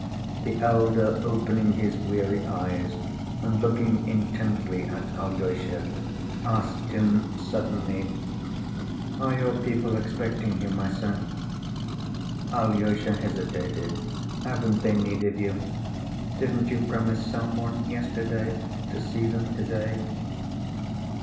The elder, opening his weary eyes and looking intently at Alyosha, asked him suddenly: "Are your people expecting you, my son?" Alyosha hesitated. "Haven't they need of you? Didn't you promise some one yesterday to see them to‐day?"